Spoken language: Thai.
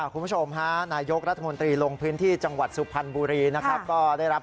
คุณผู้ชมฮะนายกรัฐมนตรีลงพื้นที่จังหวัดสุภัณฑ์บุรีนะครับ